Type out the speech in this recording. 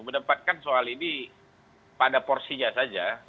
mendapatkan soal ini pada porsinya saja